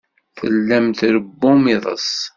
Tellam tṛewwum iḍes.